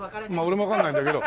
俺もわかんないんだけど。